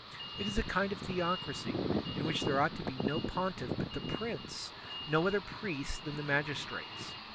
It is a kind of theocracy, in which there ought to be no pontiff but the Prince, no other priests than the magis trates.